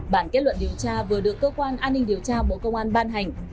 bản kết luận điều tra vừa được cơ quan an ninh điều tra bộ công an ban hành